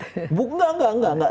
enggak enggak enggak